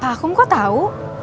pak akum kok tau